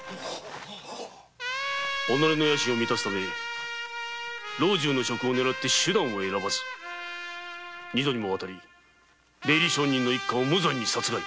己の野心のため老中の職を狙って手段を選ばず二度にわたり出入り商人の一家を無残にも殺害。